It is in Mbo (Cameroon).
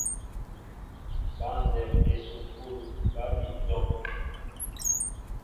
Băndɛm esukul ba bi tɔŋ.